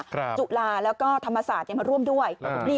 จุฬาแล้วก็ธรรมศาสตร์มาร่วมด้วย